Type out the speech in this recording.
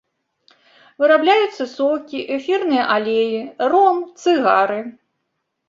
Вырабляюцца сокі, эфірныя алеі, ром, цыгары.